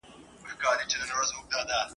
پکښي عیب یې وو د هر سړي کتلی ..